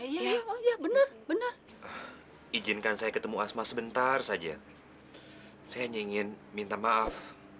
jeluh ya bener bener ijinkan saya ketemu asma sebentar saja saya jstation minta maaf